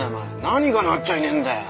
何がなっちゃいねえんだよ？